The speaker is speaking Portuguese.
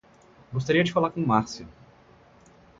Gostaria de falar com Márcia.